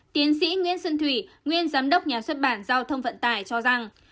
tiến sĩ nguyễn xuân thủy nguyên giám đốc nhà xuất bản giao thông vận tải cho rằng